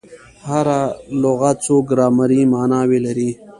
هر لغت څو ګرامري ماناوي لري.